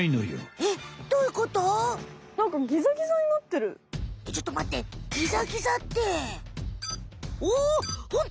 えっちょっとまってギザギザっておおホント！